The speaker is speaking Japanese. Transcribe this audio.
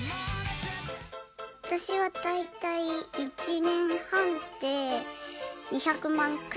私は大体１年半で２００万くらい。